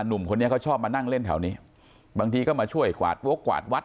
หนุ่มคนนี้เขาชอบมานั่งเล่นแถวนี้บางทีก็มาช่วยกวาดวกกวาดวัด